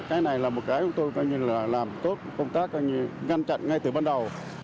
cái này là một cái chúng tôi làm tốt công tác ngăn chặn ngay từ ban đầu